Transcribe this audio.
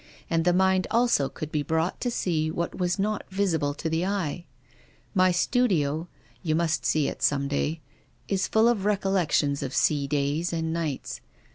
And the mind also could be brought to sec what was not visible to the eye. My studio — you must see it some day — is full of recollections of sea days and nights.